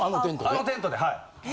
あのテントではい。